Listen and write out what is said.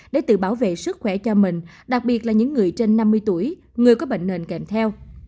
để tự bảo vệ sức khỏe cho mình đặc biệt là những người trên năm mươi tuổi người có bệnh nền kèm theo